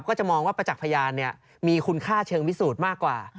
ก็จะมองว่าประจักษ์พยานมีคุณค่าเชิงพิสูจน์มากกว่า